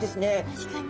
確かに。